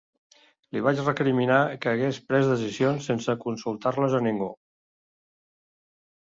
Li vaig recriminar que hagués pres decisions sense consultar-les a ningú.